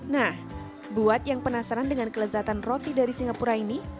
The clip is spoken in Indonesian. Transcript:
nah buat yang penasaran dengan kelezatan roti dari singapura ini